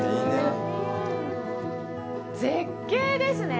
絶景ですね。